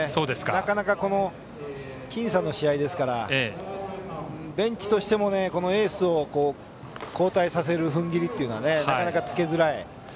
なかなか僅差の試合ですからベンチとしてもエースを交代させる踏ん切りというのはなかなかつけづらい。